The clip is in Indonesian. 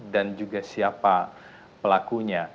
dan juga siapa pelakunya